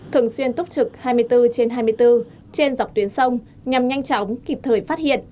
thường xuyên túc trực hai mươi bốn trên hai mươi bốn trên dọc tuyến sông nhằm nhanh chóng kịp thời phát hiện